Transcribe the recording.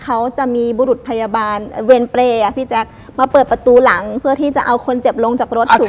เขาจะมีบุรุษพยาบาลเวรเปรย์อ่ะพี่แจ๊คมาเปิดประตูหลังเพื่อที่จะเอาคนเจ็บลงจากรถถูก